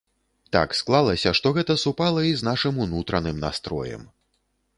Так склалася, што гэта супала і з нашым унутраным настроем.